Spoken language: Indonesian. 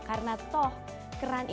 karena toh keran informasi